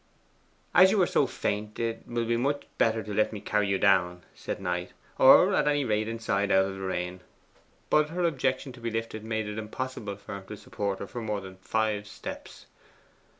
'As you are so faint, it will be much better to let me carry you down,' said Knight; 'or at any rate inside out of the rain.' But her objection to be lifted made it impossible for him to support her for more than five steps.